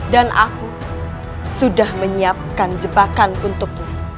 dan aku sudah menyiapkan jebakan untukmu